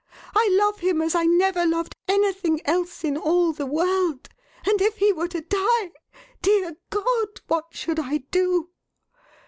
I love him as I never loved anything else in all the world; and if he were to die Dear God! what should I do?